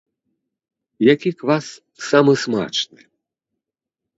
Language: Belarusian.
Які квас самы смачны?